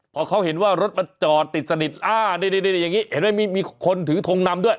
พอเขาเห็นว่ารถมันจอดติดสนิทอ่านี่นี่นี่อย่างงี้เห็นไหมมีมีคนถือทงนำด้วย